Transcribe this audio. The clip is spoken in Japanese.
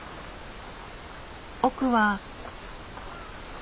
奥は。